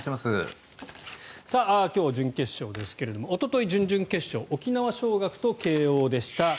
今日、準決勝ですがおととい、準々決勝沖縄尚学と慶応でした。